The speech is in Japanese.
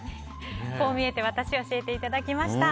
こう見えてワタシ教えていただきました。